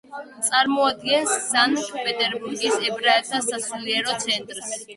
წარმოადგენს სანქტ-პეტერბურგის ებრაელთა სასულიერო ცენტრს.